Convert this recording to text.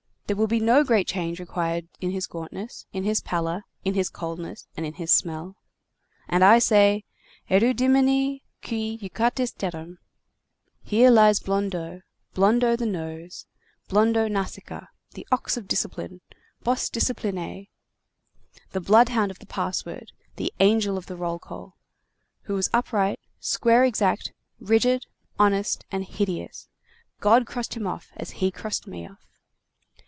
There will be no great change required in his gauntness, in his pallor, in his coldness, and in his smell. And I say: 'Erudimini qui judicatis terram. Here lies Blondeau, Blondeau the Nose, Blondeau Nasica, the ox of discipline, bos disciplinæ, the bloodhound of the password, the angel of the roll call, who was upright, square, exact, rigid, honest, and hideous. God crossed him off as he crossed me off.